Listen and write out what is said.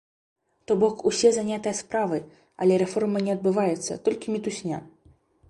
То бок усе занятыя справай, але рэформа не адбываецца, толькі мітусня!